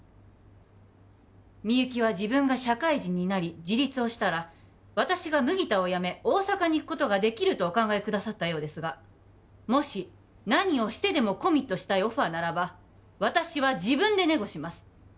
みゆきは自分が社会人になり自立をしたら私が麦田を辞め大阪に行くことができるとお考えくださったようですがもし何をしてでもコミットしたいオファーならば私は自分でネゴします